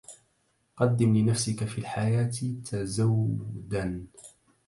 قدم لنفسك في الحياة تزودا